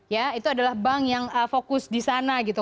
ya itu adalah bank yang fokus di sana gitu